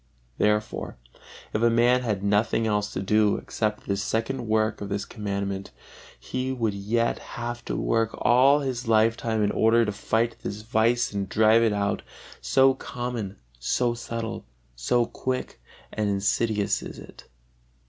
Therefore if a man had nothing else to do except this second work of this Commandment, he would yet have to work all his life time in order to fight this vice and drive it out, so common, so subtile, so quick and insidious is it.